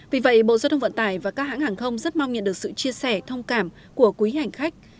vì vậy bộ giao thông vận tải và các hãng hàng không rất mong nhận được sự chia sẻ thông cảm của quý hành khách